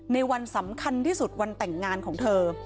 ในวันสำคัญที่สุดวันแต่งงานของเธอ